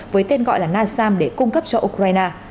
với tên gọi là nasam để cung cấp cho ukraine